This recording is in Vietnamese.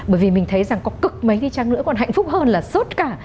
bởi vì mình thấy rằng có cực mấy thì trang nữa còn hạnh phúc hơn là suốt cả